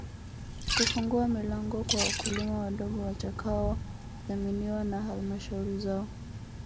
Kufungua milango kwa wakulima wadogo watakaodhaminiwa na Halmashauri zao